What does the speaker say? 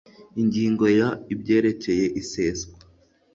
ingingo ya ibyerekeye iseswa